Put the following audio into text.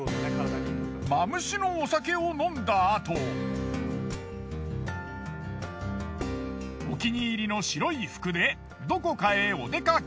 マムシのお酒を飲んだあとお気に入りの白い服でどこかへお出かけ。